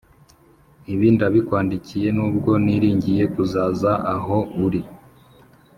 Ibi ndabikwandikiye nubwo niringiye kuzaza aho uri.